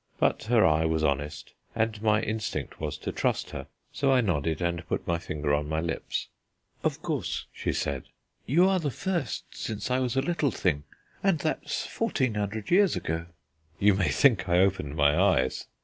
But her eye was honest, and my instinct was to trust her: so I nodded, and put my finger on my lips. "Of course," she said. "Well, you are the first since I was a little thing, and that's fourteen hundred years ago." (You may think I opened my eyes.)